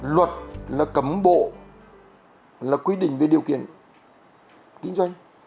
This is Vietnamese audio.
luật là cấm bộ là quy định về điều kiện kinh doanh